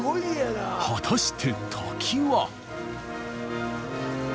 果たして滝は。